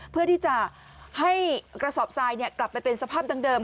เพื่อที่จะให้กระสอบทรายกลับไปเป็นสภาพดังเดิม